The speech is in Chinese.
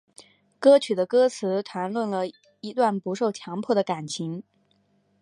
歌曲的歌词谈论了一段不受强迫的感情。